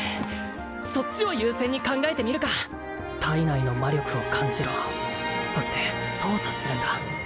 そっちを優先に考えてみるか体内の魔力を感じろそして操作するんだ